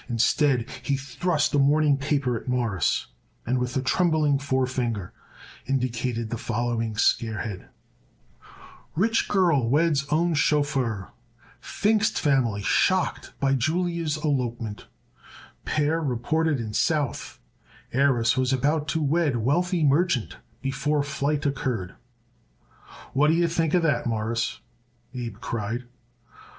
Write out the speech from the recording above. Instead he thrust a morning paper at Morris and with a trembling forefinger indicated the following scarehead: RICH GIRL WEDS OWN CHAUFFEUR PFINGST FAMILY SHOCKED BY JULIA'S ELOPEMENT PAIR REPORTED IN SOUTH HEIRESS WAS ABOUT TO WED WEALTHY MERCHANT BEFORE FLIGHT OCCURRED "What d'ye think of that, Mawruss," Abe cried.